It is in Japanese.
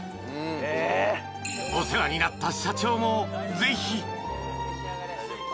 ［お世話になった社長もぜひ］